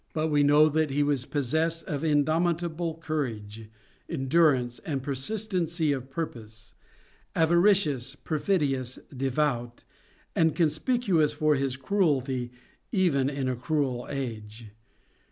We know that he was possessed of indomitable courage, endurance, and persistency of purpose; avaricious, perfidious, devout; and conspicuous for his cruelty even in a cruel age.